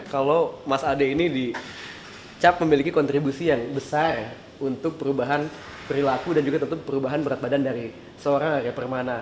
kalau mas ade ini dicap memiliki kontribusi yang besar untuk perubahan perilaku dan juga tentu perubahan berat badan dari seorang arya permana